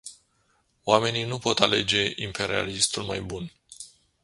Oamenii nu pot alege "imperialistul mai bun”.